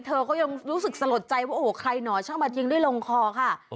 เธอก็ยังรู้สึกสลดใจว่าโอ้โหใครหน่อช่างมาทิ้งได้ลงคอค่ะ